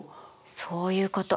そういうこと。